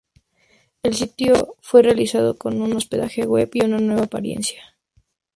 El sitio fue relanzado con un hospedaje web y una nueva apariencia.